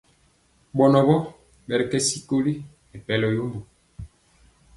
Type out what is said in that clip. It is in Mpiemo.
Ɓɔnɔ ɓɔɔ kɛ sikoli nɛ pɛlɔ yombo.